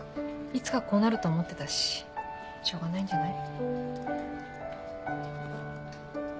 いつかこうなると思ってたししょうがないんじゃない？